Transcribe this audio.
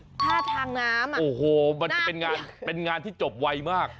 ถ้าทางน้ำโอ้โฮมันจะเป็นงานที่จบไวมาก